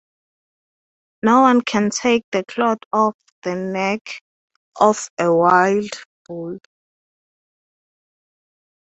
No one can take the cloth off the neck of a wild bull.